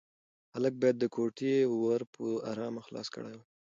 هلک باید د کوټې ور په ارامه خلاص کړی وای.